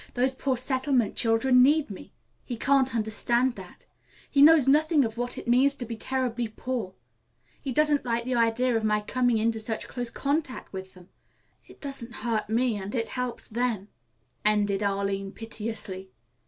Those poor settlement children need me. He can't understand that. He knows nothing of what it means to be terribly poor. He doesn't like the idea of my coming into such close contact with them. It doesn't hurt me and it helps them," ended Arline piteously.